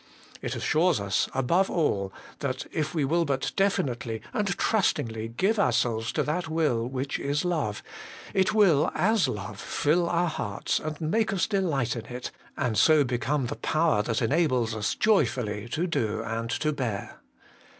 It assures us, above all, that if we will but definitely and trustingly give ourselves to that will which is Love, it will as Love fill our hearts and make us delight in it, and so become the power that enables us joyfully to do and to bear.